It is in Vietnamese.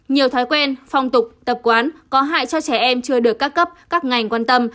nhiều thói quen phong tục tập quán có hại cho trẻ em chưa được các cấp các ngành quan tâm